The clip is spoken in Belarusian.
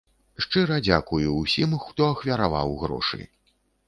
Шчыра дзякую ўсім, хто ахвяраваў грошы.